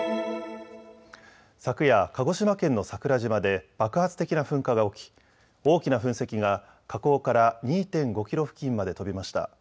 昨夜、鹿児島県の桜島で爆発的な噴火が起き、大きな噴石が火口から２．５キロ付近まで飛びました。